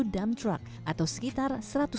dump truck atau sekitar